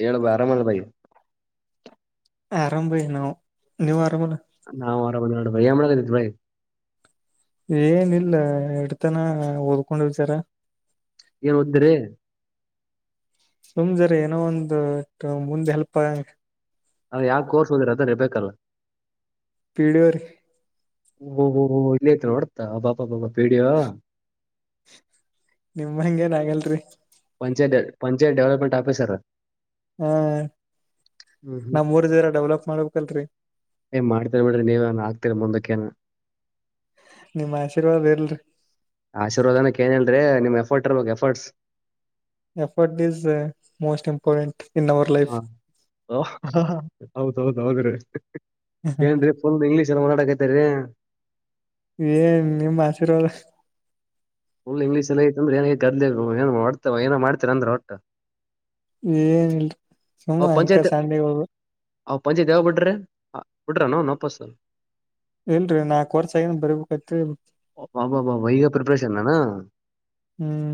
ಹೇಳುವು ಅರಾಮ ಅಲಾ ಈಗ್ ಆರಾಮ್ರಿ ನಾವು ನೀವು ಆರಾಮಲ್ಲ ನಾವು ಆರಾಮ ಅದಿವ ನೋಡ್ ಬಯ್ ಎನ್ ಮದಕತೀರ್ ಬಯ್ ಏನೀಲ್ಲ ಎಡ್ತನ ಓದ್ಕೊನೋ ವಿಚಾರ ಏನ್ ಒದತಿರಿ ಸುಮ್ ಜರ ಏನೋ ಒಂದು ಮುಂದ ಹೆಲ್ಪ್ ಆಗಂಗ ಯಾವ ಕೋರ್ಸ್ ಓದಿರಿ ಅದ ಅರೆ ಬೇಕಲ್ಲ ಪಿಡಿಎರೆ ಓಹೊಹೊಹೊ ಇಲ್ಲ ಐತ್ ಒಡ್ತಾ ಅಬಾಬಾಬ ಪಿಡಿಯೋ ನಿಮ್ ಹಂಗ ಏನ್ ಆಗಲ್ರಿ ಪಂಚಾಯತ್ ಪಂಚಾಯತ್ ಡೆವಲಪ್ಮಂಟ್ ಸರ್ ಹ್ಮ ಹ್ಮ್ ಹ್ಮ್ ನಮ ಊರ್ದಾರ ಡೆವಲಪ್ ಮಾಡ್ಬೇಕಲ್ರರಿ ಏ ಮಾಡ್ತೀರ ಬಿಡ್ರಿ ನೀವ ಏನ್ ಆಗ್ತೀರಿ ಮುಂದಕ್ಕೆಕ್ಕಏನು ನಿಮ್ಮ್ ಆಶೀರ್ವಾದ ಎಲ್ರರಿ ಆಶೀರ್ವಾದನಕ್ ಏನ್ ಹೇಳಲ್ರಿ ನಿಮ್ ಎಫರ್ಟ್ ಇರ್ಬೇಕು efforts effort is most important in our life ಹ ಹೌದೌದ ಹೌದ್ರೆ ಏನ್ ಫುಲ್ ಇಂಗ್ಲಿಷಲ್ಲಿ ಮಾತಾಡಕತಿರೀ ಏನ್ ನಿಮ್ಮ್ ಆಶೀರ್ವಾದ ಫುಲ್ ಇಂಗ್ಲೀಷಲ್ ಐತಂದ್ರ ಏನ ಗದಲಿರ್ಬೇಕು ಏನ್ ಹೊಡ್ತ ಏನೋ ಮಾಡತಿರ್ ಅಂದ್ರ ಒಟ್ಟ ಎನಿಲ್ರಿ ಸುಮ್ಮ ಅಂಕ ಸಾಲಿ ಹೋಗರು ಆ ಪಜ್ಜಿದ ಯಾವಾಗ ಬಿಟ್ರು ಹ ಬಿಟ್ರೆನ ಅವ್ನ ವಾಪಸು ಇಲ್ರಿ ನಾಕ್ ವರ್ಸ ಆಗಿತ್ತು ಬರ್ಬೇಕತ್ರಿ ಅಬಬಾಬಬಾ ಈಗ ಪ್ರಿಪ್ರೇಷನ್ ಏನಾ ಹ್ಮ್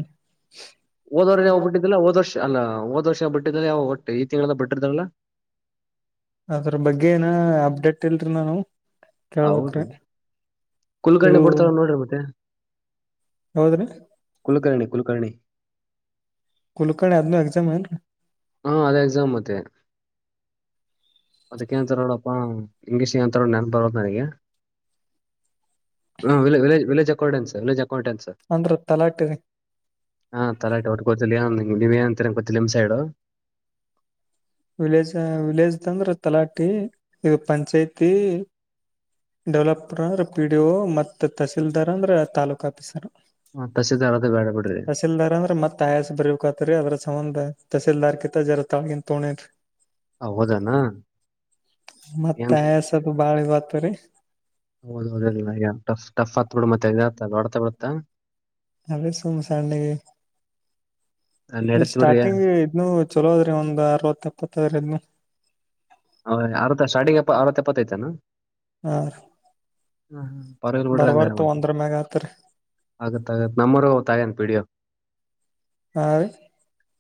ಹೋದ ವಾರನೆ ಹೋಗ್ಬಿಟ್ಟ ಇದೆಲ್ಲ ಹೋದ ವರ್ಷ ಅಲ್ಲ ಹೋದ ವರ್ಷ ಬಟ್ಟಿದ್ರ ಯಾವ ಒಟ್ಟ ಈ ತಿಂಗಳ ಬಿಟರ್ದತರಲ ಅದರ್ ಬಗ್ಗೆ ಏನ ಅಪ್ಡೇಟ್ ಇಲ್ರಿ ನಾನು ಕೇಳ್ಬೇಕ್ ಹೌದು ರಿ ಕುಲಕರ್ಣಿ ಬಿಡ್ತಾರ ನೋಡ್ರಿ ಮತ್ತೆ ಹೌದ್ರಿ ಕುಲಕರ್ಣಿ ಕುಲಕರ್ಣಿ ಕುಲಕರ್ಣಿ ಅದನು ಎಗ್ಜಮ್ ಏನ್ರಿ ಹಾ ಅದೇ ಎಕ್ಸಾಮ್ ಮತ್ತೆ ಅದಕ್ಕೆಂತಡ ಇಂಗ್ಲೀಷ್ಂತ ನೆನ್ ಬರದು ನನಗೆ್ ವಿಲೇಜ್ ಅೌನ್ರ್ ಲೋ್ ಅಕೌಂ ನ್ರ್ ಅಂದ್ರ ತಲಾಟಿರಿ ಹಾ ತರಾಟಿ ಒಟ್ಟು ಗೊತ್ತಿಲ್ಲ ನೀವ ಏ ಅಂತ ಗೊತ್ತ ನಿಮ್ ಸೈಡು ವಿಲೇಜ್ ವಿಲೇಜ್ ಅಂದ್ರೆ ತಲಾಟಿ ಈಗ ಪಂಚಾಯ್ತಿ ಡೆವಲಪರ್ ಅಂದ್ರೆ ಪಿ ಡಿ ಮತ್ತ ತಹಸೀಲ್ದಾರ್ ಅಂದ್ರೆ ತಾಲೂಕ ಆಫೀಸರ್ ತಹಸೀಲ್ದಾರ್ ಅದು ಬೇಡ ಬಿಡ್ರಿ ತಹಶೀಲ್ದಾರ್ ಅಂದ್ರೆ ಮತ್ತೆ ತಾಯಸ್ ಬರ್ಬೇಕತ್ರಿ ಅದ್ರ ಸಂಬಂಧ ತಸಲ್ದಾರ್ಕ ಜರ ತಳಗ ತೋಣಿರಿ ಆ, ಹೌದನ ಏನ್ ಮತ್ತೆಸ ಬಾಳ ಬತ ರೀ ಹೌದೌದಲ್ಲ್ ಟಫ್ ಆತ್ ಬಿಡು ಮತ್ತೆ ಎ ಆತ ಅ ಹೊಡ್ತಾ ಬಿಡತ್ತಾ ಅೇ ಸೋಮಸಂಡ ನಡೀತ್ ಬಿಡ್ರಿ ಸ್ಟಾರ್ಟಿಂಗ ಇ ಚಲೋದ್ರಿ ಒಂದ್ ಅರವತ್ತ ಎಪ್ಪತ್ತ್ರದ್ದು ಹೌ ಆ ಸಾರ್ಟಿಂಗ್ಪ್ಪ ಅ ಆ ಎಪ್ಪತ್ತೈತನಾ ಹಾ ಪರವಾಗಿಲ್ಲ ಬಿಡ್ರಿ ಬರಬರ್ ಹಂಗಾರೆ ತ ಮತ್ತೆ ಅಂದ್ರ ಮೆಗತ ಆಗತ್ತ ಆಗತ್ ನಮ್ಮರು ತ ಆಗಂತ ಪಿಡಿಯೋ ಹ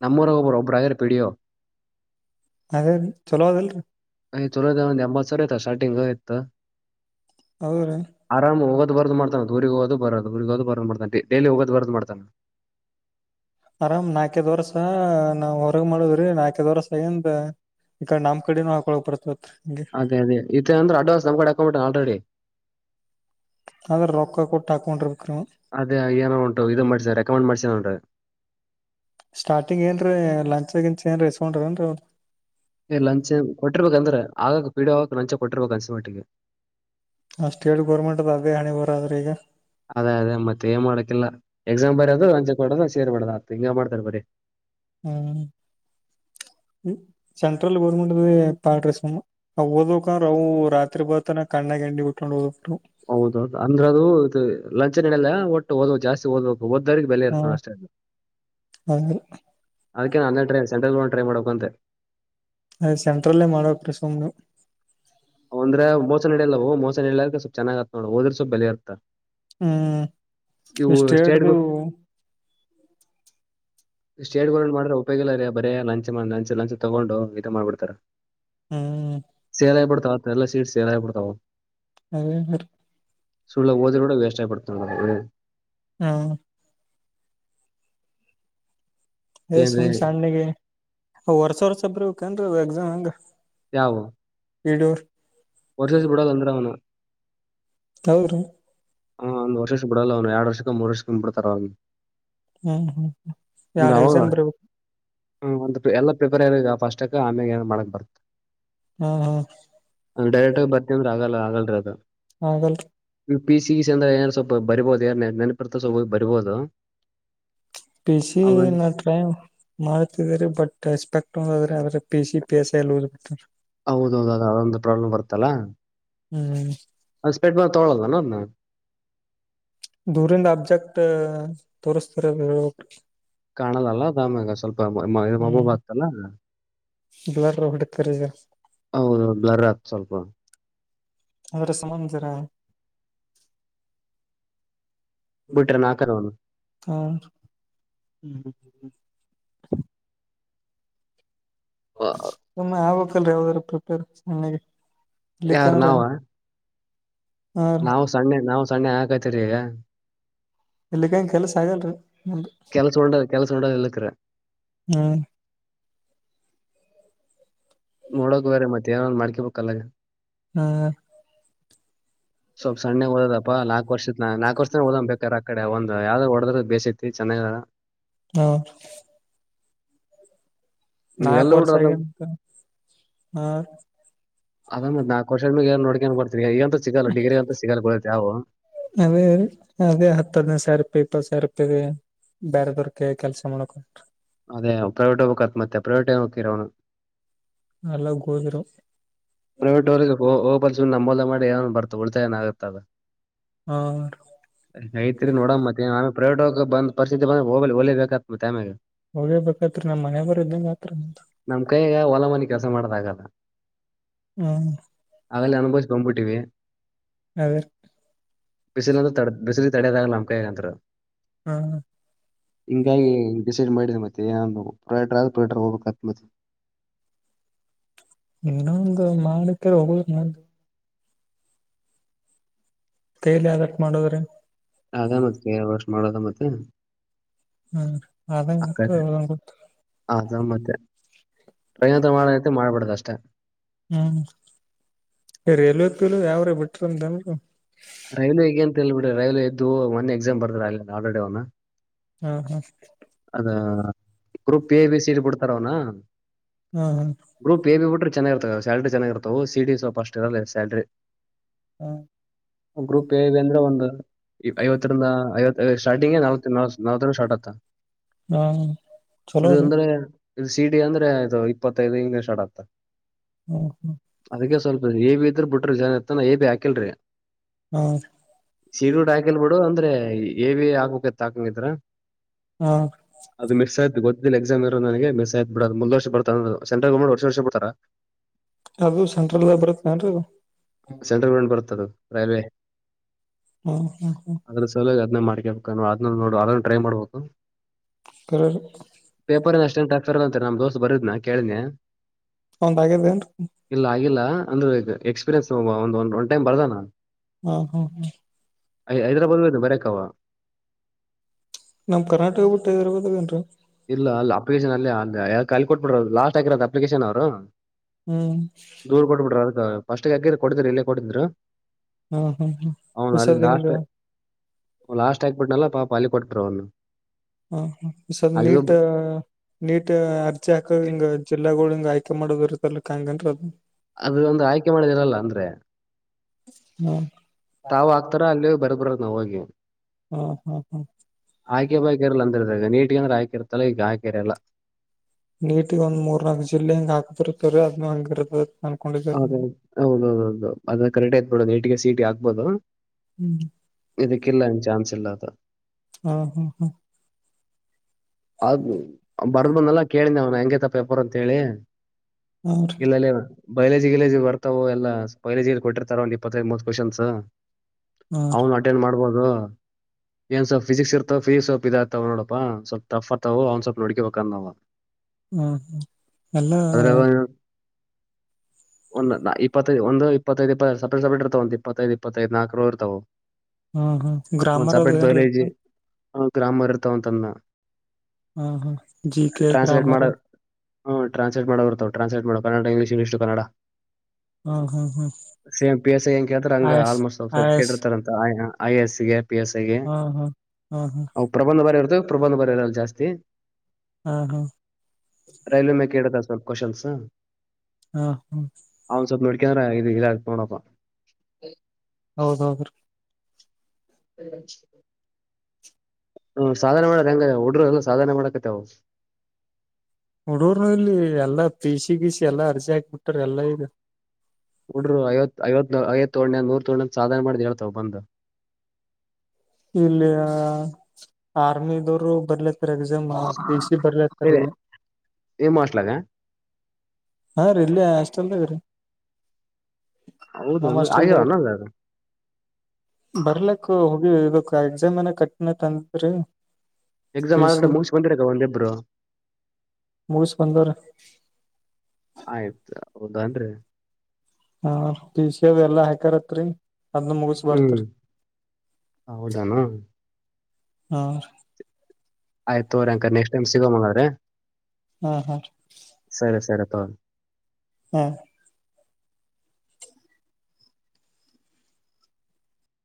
ನಮ್ಮೂಊ ಒಬ್ಬಬ್ಬರ ಆದರ ಪಡಿಯೋ ಅದೇ ಚಲೋ ಅದಲ್ರರಿ ಯ್ ಚಲೋದ ಒಂದ ಎಂಬತ್ ಸಾವರ ಆಯತ ಸಾರಿಂಗ್ ಆಯ್ತ್ ಹೌದ್ರೀ ಆರಾಮ್ ಹೋದು ಬರದು್ತ ಊರಿಗೆ ಹೋಗೋ ಬೋದುಊರಿಗೆೋಗೋ ಬೋ್ತಾನ ಡೇಲಿ ಹೋಗದ ಬೋದು ಮಾಡತೆ ಆರಾಮ್ ನಾಲ್ಕೇದ್ ವರ್ಸ ನಾವ್ ಹೊರಗ ಮಾಡುದ್ರಿ ನಾಲ್ಕದ್ ವರ್ಷ ಏಂತ ಈ ಕ ನಮ್ ಕಡೊ ಹಾಕಳೋಗಕ್ ಬರ್ತ್ವತ್ರ ಅದೇ ಅೇ ಇೇ ಅಂದ್ರ ಅವಾನ್ಸ್ ನಮ ಕಡೆ ಅಕೌಂಟ ಆಲ್ರೆಡಿ ಆದ್ರೆ ರೊಕ್ಕ ಕೊಟ್ಟು ಹಾಕೊಂಡಿರ್ಬೇಕ್ರ ಅದೇ ಏನೋ ಉಂಟ ಇದು ಮಾಡ್ಸ ರೆಕಮೆಂಡ್ ಮಾಡಸಂಟ ಸ್ಟಾರ್ಟಿಂಗ್ ಏನ ಲಂಚ್ ಗಿಂಚ್ ಏನ್ ರ ಇಸ್ಕೊಂಡ್ರ ಏನ್ರಿ ಏ ಲಂಚ್ ಕೊಟ್ಟಿರ್ಬೇಕಂದ್ರೆ ಆಗಕ್ ಪೀಡಿ ಹೋಗಕ್ ಲಂಚ ಕೊಟ್ಟಿರ್ಬೇಕ ಅನ್ಸಿ ಮಟ್ಟಿಗೆ ಅಷ್ಟೇಿ ಗೋರ್ಮೆಂಟ್ದ್ದಗ್ ಹಿ ಬರ್ರೆ ಈಗ ಅದೇ ಅದೇ ಮತ್ತತ್ ಏನ್ ಮಾಡಕಿಲ್ಲ ಎಕ್ಸಾಮ್ ಬರೋದು ಲಂಚೆ ಕೊಡದ ಸೇರ್ ಮಾಡದತ್ ಹಿಂಗ ಮಾಡ್ತಾರೆ ಬರರಿ ಹ್ಮ ಸೆಂಟ್ರಲ್ ಗರ್ಮೆಂಟ್ ಅ ಪಾಡ್ರ ಸ ಓದಂದ್ರ ಅವು ರಾತ್ರಿ ಬರ್ತನ ಕಣ್ಣಗ್ ಎಂಡಿ ಉಟ್ಕೊಂಡು ಓದ್ ಬಿಿಟ್ಟು ಹೌದೌದು ಅಂದ್ರ ಅದು ಇದು ಲಂಚನಲ್ಲ ಒಟ್ಟು ಓದ್ ಜಾಸ್ತಿ ಓದ್ು ಹದ್ ದಾರಿಗೆ ಬೆಲೆ ಇರ್ತಾನ ಹ್ಮ್ ಅಷ್ಟೇ ಅ ಹೌದ್ರಿ ಅದಕ್ಕೆ ನ ಅ ಟ ಸೆಂಟಲ್ ಗೋ ಟ್ರೈ ಮಾಡಬೇಕ ಅಂತೆ ಅ ಸೆಂಟ್ರಲ್ಲೇ ಮಾಡಬೇಕ ರೆ ಸುಮು ಅಂದ್ರ ಮೋಸ ನಡಿಲ್ಲವು ಮೋಸ ನಡಲ್ಲದೆ ಸ್ವ ಚೆಾಗ್ತ ನೋಡ್ೋದ್ರ ಸ್ವಪ್ ಬೆಲೆ ಇತ ಹ್ಮ್ ಎಷ್ಟ ಸ್ಟೇಟ್ಗಳು ಹೇಳ್ದು ಸ್ಟೇಟ್ ಗೋರ್ಟ್ ಮಾಡ್ರೆ ಉಪಯೋಗಿಲ್ಲ ರೀ ಬರೇ ಲಂಚ್ ಲಂಚ್ ಲಂಚ್ ತಗೊಂಡು ಇದ ಮಾಡ್ಬಿಡ್ತಾರ ಹ್ಮ್ ಸೇಲಾಯ ಪಡ್ತಾ ತಲ್ಲ ಸೀಟ್ ಸೇಲಾಯ ಪಡ್ತಾವು ಅದೇ ಸಳ್ಳ ಓದರೂಡ ವಸ್ಟಾಯ್ಡ್ತಾ ಹ್ಮ ಏ ಏನ್ರೀ ಸುಮ್ ಸಣ್ಣಿಗೆ ವರ್ಷ ವರ್ಸಬ್ರಿ ಕನ್ ಎಕ್ಸಾಮ್ ಹೆಂಗ ಯವು ಇಡೂರ್ ವರ್ಸಲಸ್ ಬಿಡ ಅರು ಅವನ ಹೌ ರೀ ಹಾ ಒಂದ್ ವರ್ಷಕ್ಕೆ ಬಿಡಲ್ಲ ಅವ್ ಎರಡು ವರ್ಷ ಮು ಮೂರ್ ವರ್ಷಕಂದ ಬಿತಾರ ಅವ್ನ್ ಹ್ಮ್ ಹ್ಮ್ ಎರಡ್ ಎಕ್ಸಾಮ್ ಬರ್ಬೇಕು ಹ್ಮ ಒ ಎಲ್ಲಾ ಪ್ರಿಪೇರ್ ಆಗ ಫಸ್ಟ ಆಮ್ಯ ಏ ಮಾಡಕ್ ಬರ್ತ್ತೆ ಹ್ಮ ಹ್ಮ್ ನ ಡೈರೆಕ್ಟಗ ಬರ್ತಿದ್ರ ಆಲ್ಲ ಆಗಲ್ರಿ ಅದು ಹಾಗಲ್ರಿ ಪ ಸಿ ಸಿ ಅಂದ್ರ ರ ಸ್ವಲ್ಪ ಬರ್ಬಹುದು ಯಾರ ನೆಪ ಬರ್ಬಹುದು ಪಿಸಿ ನ ಕೈಮ್ ಮಾಡ್ತಿದರಿ ಬಟ್ ಎಸ್ಪೆಕ್ಟ್ ಒಂದಾದ್ರೆ್ರ P C P S I ಎ್ ಹೌದೌದೌದು ಅದೊಂದು ಪ್ರಾಬ್ಲಮ್ ಬರ್ತ್ತಲ್ಲಾ ಹ್ಮ್ ಅ ಸ್ಪೆಟ್ ಬ ತೊಳೋಲ್ಲ ನ ದೂರಿಂದ ಅಬ್ಜೆಕ್ಟ್ ತೋರ್ಸ್ತರ್ರಿ ಕಾಣದಲ್ಲ ದಾಮ್ಯಾಗ ಸ್ವಲ್ಪ ಅಮ್ಮ ಬ ಆತಲ್ಲ ಬ್ಲಡ್ ಹೊಡ್ತಗ ಹೌದು ಬ್ಲರ್ ಆತ್ ಸ್ವಲ್ಪ ಅವರ ಸಮಂಚರ ಬಿಟ್ರೆ ನಾಕನು ಹಾ ಹ್ಮ್ ಸುಮ್ಮನೆ ಆಗ್ಕ್ಲ್ರಿ ಯಾವ್ದಾರ ಪ್ರಿಪೇರ್ ಸಣ್ಣಗೆ ಯಾರ ಇಲ್ಲಿಕಂದ್ರ ನಾವ ಹಾ ರೀ ನಾವು ಸಣ್ಣೆ ನಾವು ಸಣ್ಣೆ ಹಾಕತರಿೀ ಈಗ ಎಲ್ಲಿಕ್ಕ ಹಂಗ ಕೆಲ್ಸ ಆಗಲ್ರರಿ ನನ್ರಿ ಕೆಲಸ ನೋಕ್ಕ್ರೆ ಹ್ಮ್ ನೋಡೋಕ್ ಬೇ ಮತ್ತ ಏನಾದ್ ಮಾಡಕಬೇಕಲ್ಲ ಹ್ಮ ಸ್ವಲ್ಪ ಸ್ಣ ಓದಪ್ಪ ನಾಲ್ಕಕ್ ವರ್ಷತ್ ನಾಕಕ್ ವರ್ಷನ ಓದ್ ಬೇಕಾರ ಆ ಕಡೆ ಒಂದ ಯಾವ್ದ್ ಒಡದ್ರದ ಬೇಸಐತಿ ಚೆನ್ನಾಗ ಹೌ ನೀವ್ ನಾಲ್ಕು ಎಲ್ಲ ವರ್ಷ ಹುಡ್ರ ಅದ ಆಗಂತ ಹಾ ಅದತ್ ನಾ ಕೋರ್ಷದಏ ನೋಡ್ಕೊಂಡ ಕೊಡ್ತೀವಿ ಈಗ ಅಂತ ಸಿಗಲ್ಲ ಡಿ್ರಿ ಅಂತ ಸಿಗಲ್ಲಾವವು ಅದೇ ಅದೇ ಹತ್ತು ಹದ್ ನೈದು ಸಾವಿರ ರಪಿ ಇಪ್ಪತ್ತು ಸಾವಿರ ರೂಪಿದೆ ಬೇರೆದವರ್ಕ ಕೆಲ್ಸ ಮಾಡಕಂ ಅದೇ ಪ್ರೈವೇಟ್ ಹೋಗಬೇಕಕ್ತ್ತ್ತೆ ಪ್ರೈವಟ್ ಹೋಗಿರ ಅವನು ಎಲ್ಲ ಗೋದರು ಪ್ರೈವೇಟ್ವ್ರರಿಗೆ ಹೋಗಲ್ಸ ನಂಬೋದ ಮಾಡಿ ಏನನ್ ಬರ್ತಾ ಉಳಿತಾಏ ಆತ್ತದ ಹ ಐತ್ರಿ ನೋಡ ಮತ್ತೆ ಆಮೇ ಪ್ರೈೇಟೋಗ ಬಂದ ಪರಿಸ್ಥಿತಿ ಬಂದ ಹಲಿಬೇಕತ್ತ್ತ ಆಮ್ಯಾಗ ಹೋಗೇಬೇಕತ್ ನಮ್ಮ ಮನೆ ಬರಿದ್ದಂಗ ಮಾತ್ರ ಅಂತ ನಮ್ ಕೈಗ ಹೊಲಮನೆಿ ಕೆಲಸ ಮಾಡ್ದಾಗಲ್ಲ ಹ್ಮ ಹಾಗಲೇ ಅನುಭವ್ಕೊಂಡ್ಬಿಟ್ಟಿವವಿ [unintelligible] ಬಿಸಿಲ ಅಂದ್ರ ತಡ ಬಿಸಿಲು ತಡದಾಗಲ್ಲ ನಮ್ಕಾಯಂದ ಹ ಹಿಂಗಾಗಿ ಮಿಸೇಜ ಮಾಡಿದೆ ಮತ್ತೆ ಏ ಪ್ರೊಡೈಡರ್ ಆದ್ರ ಪ್ರೈಡರ್ ಹೋಗಬೇಕತ್ತ್ತೆ ಏನೋ ಒಂದು ಮಾಡಕ್ಕೆ ಹೋಗ ಯಾವ್ದಕ್ ಮಾಡೋದ್ರಿ ಅದ ಮತ್ತ ವರ್ಷ್ ಮಾಡೋದ ಮತ್ತೆ ಹ್ಮ್ ಅಂಗ ಆಕಡೆ ಗ್ ಗೊತ್ತು ಅದ ಮ್ಮತ್ತೆ ಪ್ರಯಂತ್ರ ಮಾಡತ್ತ ಮಾಡ್ಬಿಡದ ಅಷ್ಟೇ ಹ್ಮ್ ರೈಲ್ವೆ ತಲು ಯಾವ್ರ ಬಿಟ್ರಂತನ್ರು ರೈಲ್ವೆಗೆಗ ಅಂತ ಹೇಳ್ ಬಿಿ್ರಿ ರೈಲ್ವೆ ಎದ್ದ ಒಂದ ಎಕ್ಸಾಮ್ ಬದ್ರ ಅಲ್ರೆಡಿ ಅವ್ನ ಹಾ ಹಾ ಅದ ಗ್ರೂಪ್ ಎ ಬಿ ಸೀಟ್ ಬಿಡ್ತಾರ ಅವನ ಹ್ಮ್ ಹ್ಮ್ ಗ್ರೂಪ್ ಎ ಬಿ ಬೀಟ್ರೆ ಚೆಾಗಿರ್ತ ಸಲ್ರಿ ಚೆಾಗಿರ್ತಾವ ಸಿ ಡಿ ಸ್ವಲ್ ಅಸ್ಟ್ ಇರಲ್ಲ ಸ್ಯಾಲ್ರಿ ಹಾ ಗ್ರೂಪ್ ಏ ಬೀ ಅಂದ್ರೆ ಒಂದು ಐವತ್ತರಿಂದ ಐವತ್ತು ಸ್ಟಾರ್ಟಿಂಗ್ ನಲ್ ನಲ್ವತ್ತು ಸ್ಟಾರ್ಟ್ ಆತಾ ಹ್ಮ ಇದು ಅಂದ್ರೆ ಇದು ಸಿ ಡಿ ಅಂದ್ರೆ ಇದು ಇಪ್ಪತ್ತೈದು ಇಂಗ್ಲೀಷ್ ಆಡತ್ತ ಹ್ಮ್ ಹ್ಮ್ ಅದಕ್ಕೆ ಸ್ವಲ್ಪ ಏ ಬಿ ಇದ್ರ ಬಿಟ್ರಿ ಜನತಾನ ಬಿ ಹಾಕಿಲ್ರಿ ಹಾ ಸೀಡ್ಡ್ ಹಾಕಿಲ್ ಬಿಿಡು ಅಂದ್ರೆ ಎಏವಿ ಹಾಕಕತ್ ಹಾಕಂಗಿದ್ರ ಹಾ ಅದು ಮಿಸ ಆಯ್ು ಗೊತ್ತಿಲ್ಲ ಎಕ್ಸಾಮ್ ಇೋ ನನ ಮ್ ಆಯ್ ಬಿಡ ಅ ಮುಂದ ವರ್ಷ ಬತ ಸಂಟರ್ ಗಮಟ್ ವರ್ ವರ್ಷ ಬಿಡ್ತಾರ ಅದು ಸೆಂಟ್ರಲ್ ಬರುತ್ತೆೇಏನ್ೀ ಸೆಂಟ್ರಲ್ ಗೋರ್ಮೆಟ್ ಬರ್ತದ ರೈಲ್ವೆ ಹಾ ಹಾ ಹಾ ಅದ್ರ ಸಲಾಗಿ ಅದನ್ನ ಮಾಡಕಬೇಕ ಅದ್ ನೋಡು ಅದನ್ನ ಟ್ರೈ ಮಾಡ್ಬೇಕು ಕರೆ ರೀ ಪೇಪರ್ ಅಷ್ಟೆನ್ಾಕ್ತರದ ಅಂತಾರೆ ನಮ್ ದೋಸ ಬರದ್ನ ಕೇಳನೆ ಅವ್ನದು ಆಗದೇನ್ರಿ ಇಲ್ಲ ಆಗಿಲ್ಲ ಅಂದ್ರೆ ಎಕ್ಸ್ಪೀರಿಯನ್ಸ್ ಒಂದ ಒ್ ಟೈಮ್ ಬರ್ದ ನಾನ್ ಹಾ ಹಾ ಹಾ ಹೈದರಾಬ್ ವ ಇ ಬರೆೇಕವ ನಮ್ ಕರ್ನಾಟಕ ಬ ಬಿಟ್ಟ ಇದರ ಬದ ೇನ್ರಿ ಇಲ್ಲ ಅಲ್ಲ ಅಪ್ಲಿಕೇಶನ್ ಅಲ್ಲಿ ಅ ಕ ಕೊಟ್ಬಿಡ್ರ ಲಸ್ಟ್ ಆಗಿರದು ಅಪ್ಲಿಕೇಶನ್ ಅವರು ಹ್ಮ್ ದೂರ್ ಕೋಟ ಬಿಟ್ಟರೆ ಅದುಕ್ಕ ಫಸ್ಟ್ಗೆ ಹಗರ ಕೊಡಿದರು ಇಲ್ಲೇ ಕೊಡಿದ್ರು ಹಾ ಹಾ ಹಾ ಅವನು ಅಲ್ಲಿ ಈಸದ ಹಿಂಗ ಲಾಸ್ಟ್ ಲಾಸ್ಟ್ ಆಗ್ಬಿಡ್ನಲ್ಲ ಪಾಪ ಅಲ್ಲಿ ಕೊಟ್ಟ್ರ ಅವ್ನು ಹಾ ಸರ್ ಅಲ್ಲಿಗೂ ನೀಟ್ ನೀಟ್ ಅರ್ಜಿ ಹಾಕ ಹಿಂಗ ಜಿಲ್ಲಾಗಳ ಹಿಂಗ ಆಯ್ಕೆ ಮಾಡೋದ ಇರುತ್ತಲ್ ಕಂಗನ್ ಅದು ಅದು ಒಂದು್ರ ಆಯ್ಕೆ ಮಾಡೋದನಲ್ಲ ಅಂದ್ರೆ ಹ್ಮ ತಾವು ಆಾಗ್ತಾರ ಅಲ್ಲಿ ಬರ್ಬರದು ನಾವ ಹೋಗಿ ಹ್ಮ ಹಾ ಹಾ ಆಯಕೆ ಬಾಯಕ ಎಲ್ಲ ಅಂದಿದಾಗ ನೀಟ್ಿಗೆ ಅಂದ್ರೆ ಆಕೆ ಇತಲ್ಲ ಈಗ ಆಾಕೆರೆಲ್ಲ ನೀಟಗ ಒಂದ್ ಮೂರ್ ನಾಲ್ಕ್ ಜಿಲ್ಲೆ ಹೆಂಗ ಹಾಕತಿರ್ತವರಿೀ ಅದ್ ಹಂಗಿರ್ತದ ಹದ ಹೌದೌೌದು ಅದನ್ನ ಕರೆಕ್ಟ್ ಆಯತ್ಬಡದು ನೇಟಿಗೆ ಸೀಟಿ ಹಾಕ್ಬೋದು ಹ್ಮ್ ಇದಕ್ಕಿಲ್ಲಂಗ ಚಾನ್ಸ್ ಇಲ್ಲ ಅದು ಹ್ಮ ಹ್ಮ ಹ್ಮ ಅ ಬರ್ದ್ ಬಂದಲ್ಲ ಕೇಳಿ ಅವ್ನ ಹೆಂಗಗೆ ತಪ್ಪ ಎಪರ್ ಅಂತ ಹೇಳಿ ಹ ಇಲ್ಲಲ್ಲಿ ಬೈಲೇಜಿ ಗಿೇಜಿ ಬರ್ತವು ಎಲ್ಲಾ ಬೈಲಜಿಲ್ಲಿ ಕೊಟ್ಟಿರ್ತಾರ ಒಂದು ಇಪ್ಪತ್ತೈ ಮೂತ್ ಕ್ವಶನ್ಸ್ ಹ ಹಾ ಅವನು ಅಟೆಂಡ್ ಮಾಡ್ಬೋದು ಏನ್ ಸ್ವಲ್ಪ್ ಫಿಸಿಿಕ್ಸ್ ಇರ್ತಾವ ಫಿ ಸ್ವಲ್ಪ್ ಇದ ಆತವ ನೋಡಪ ಸ್ವಲ್ಪ ತಪ್ಪತ ಅವ್ ಸ್ಲ್ಪ್ ನೋಡಕಬೇಕಾಂದಾವ ಹ್ಮ್ ಹ್ಮ ಎಲ್ಲ ಒಂದು ಇಪ್ಪತ್ತೈ ಒಂದು ಇಪ್ಪತ್ತೈದು ಇಪ್ಪತ್ತು ಸಪೇಟ್ ಸಪ್ರೇಟ್ ಇರ್ತಾವ ಒ ಇಪ್ಪತ್ತೈದು ಇಪ್ಪತ್ತೈದು ನಲ್ಕರರು ಇರ್ವವು ಹ್ಮ್ ಹ್ಮ್ ಗ್ರಾಮರ್ ಅದು ಏನ್ ಇರ್ತ ಹ ಗ್ರಾಮ ಇರ್ತಾವಂತನ್ನ ಹ್ಮ ಹಾ ಜಿ ಕೆ ಟ್ರಾನ್ಸ್ ಟ್ ಮಾಡ ಗ್ರಾಮರ್ ಹ್ ಟ್ರಾನ್ಸ್ ಮಾಡ ಬರ್ತಾವ ಟ್ರಾನ್ಸ್ ಟ್ ಮಾಡ ಕಡಟ ಇಂಗ್ಲಷ್ ಇಂಗ್ಲಷ್ ಕನ್ನಡ ಹಾ ಹಾ ಹಾ ಸೇಮ್ ಪೇಸ ಹೆಂಗ ಕೇತ್ರ ಹಂಗ ಆಯಸ್ ಆಲ್ಮೋಸ್ಟ್ ಅವ ಸ್ವಲ್ಪ ಆಯಸ್ ಕೇಟ್ಟಿರ್ತಾರಂತ ಐ ಎಸ್ ಗೆ ಪಿ ಎಸ್ ಐಗೆ ಹಾ ಹಾ ಹಾ ಹಾ ಅ ಪ್ರಬಂಧ ಬಾರಿ ಇರ್ದು ಪ್ರಬಂಧ ಬರರಲ್ಲ ಜಾಸ್ತಿ ಹಾ ಹಾ ರೈಲ್ವೆ ಮ ಕೇಳದ ಸ್ವಲ್ಪ ಕ್ವನ್ಸ್ ಹಾ ಹಾ ಅವ್ ಸ್ವಲ್ಪ ನೋಡ್ಕ್ರ ಇ ಇದ ಆ ನೋಡಪ್ಪ ಹೌದೌದು ರೀ ಹ ಸಾಧನೆ ಮಾಡದ ಹೆಂಗ ಒಡರು ಎಲ್ಲ ಸಾಧನೆ ಮಾಡಕತ್ತ ಅವು ಹುಡೂರ್ನು ಇಲ್ಲಿ ಎಲ್ಲಾ ಪ ಸಿ ಗೀಸ ಎಲ್ಲ ಅರ್ಸಿ ಹಾಕ್ಬಿಟ್ಟ ಎಲ್ಲಾ ಇದು ನುಡ್ರ ಐವ ಐವ ನ ಐವತ್ತು ತೋ್ಣ ನೂರ್ ತೋ್ಣ ಸಾಧನ ಮಾಡ್ ಹೇಳ್ತಾವ ಬಂದ ಇಲ್ಲಿ ಆರ್ಮಿದವರು ಬರ್ಲತರಗ ಜಮಕ ಇಸ ಬರ್ಲತಾರ ಸರಿ ಏನ್ ಮಾಡ್ಲಾಗ ಹಾ ರೀ ಇಲ್ಲಿ ಅಷ್ಟ ಅಲ್ದ ರೀ [unintelligible] ಹೌದ ನಮ್ಮ ಅಷ್ಟಲ್ಲ ಆಗ್ಯಾವನ ಅದು ಬರ್ಲಿಕ್ಕ ಹೋಗಿ [unintelligible] ಎಕ್ಸಾಮ್ ಏನ ಕಟ್ಟಣ ತ ಅಂದ್ರೆ [unintelligible] ಎಕ್ಸಾಮ್ ಆರಾಡೆ ಮುಗ್ ಬಂದಿರಗ ಒಂದಬ್ರು [unintelligible] ಮೂರು ಸ್ಕಂದರ [unintelligible] ಆಯ್ತು ಹೌದಾ ಅಂದ್ರೆ [unintelligible] ಹ ಸಿದ ಎಲ್ಲಾ ಹಾಕರತ್ರಿ [unintelligible] ಹ್ಮ್ ಹೌದಾನು [unintelligible] ಹ [unintelligible] ಆಯ್ತು ತೋರಿ ಅಂಕ ನೆಕ್ಸ್ಟ್ ಟೈಮ್ ಸಿಗೋ [unintelligible] ಮಂಗ್ರೆ ಹ್ಮ್ ಹ್ಮ [unintelligible] ಸರಿ ಸರಿ ತ [unintelligible] ಹಾ [unintelligible]